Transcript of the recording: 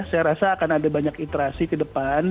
saya rasa akan ada banyak iterasi ke depan